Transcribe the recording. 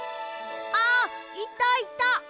あっいたいた！